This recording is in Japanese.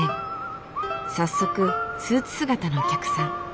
早速スーツ姿のお客さん。